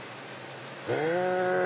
へぇ！